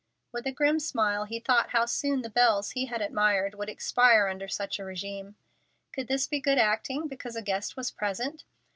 With a grim smile he thought how soon the belles he had admired would expire under such a regimen. Could this be good acting because a guest was present?